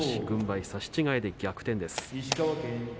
軍配差し違えで逆転です。